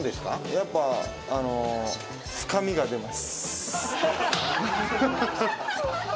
やっぱあの深みが出ます。